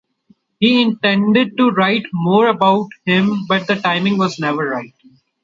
He intended to write more about him but the timing was never right.